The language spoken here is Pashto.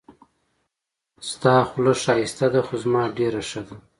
د تا خوله ښایسته ده خو زما ډېره ښه ده